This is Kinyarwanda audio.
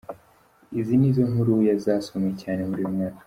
Izi nizo nkuru zasomwe cyane muri uyu mwaka.